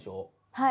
はい。